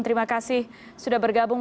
terima kasih sudah bergabung